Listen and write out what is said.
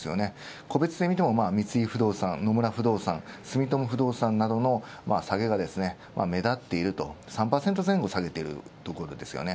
個別性を見ても三井不動産、野村不動産、住友不動産などの下げが目立っていると３％前後下げているところ。